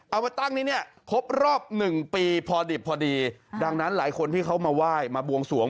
เอามาตั้งนี้เนี่ยครบรอบหนึ่งปีพอดิบพอดีดังนั้นหลายคนที่เขามาไหว้มาบวงสวง